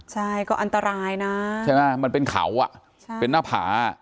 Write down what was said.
ใช่ก็อันตรายนะใช่ไหมมันเป็นเขาอ่ะใช่เป็นหน้าผา